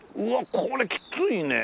これきついね。